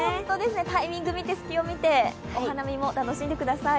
タイミング見て、隙を見て、お花見を楽しんでください。